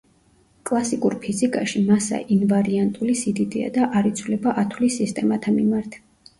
კლასიკურ ფიზიკაში მასა ინვარიანტული სიდიდეა და არ იცვლება ათვლის სისტემათა მიმართ.